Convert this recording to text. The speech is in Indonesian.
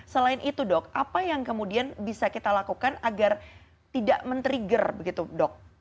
selain itu dok apa yang kemudian bisa kita lakukan agar tidak men trigger begitu dok